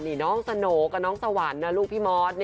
นี่น้องสโหน่กับน้องสวรรค์นะลูกพี่มอส